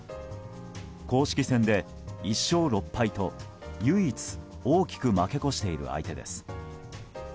公式戦で１勝６敗と唯一大きく負け越している相手です。